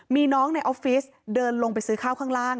มีน้องในออฟฟิศเดินลงไปซื้อข้าวข้างล่าง